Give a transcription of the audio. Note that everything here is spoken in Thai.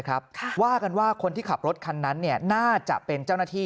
ว่ากันว่าคนที่ขับรถคันนั้นน่าจะเป็นเจ้าหน้าที่